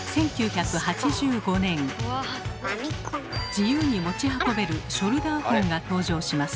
自由に持ち運べるショルダーホンが登場します。